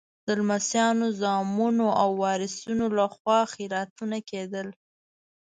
د لمسیانو، زامنو او وارثینو لخوا خیراتونه کېدل.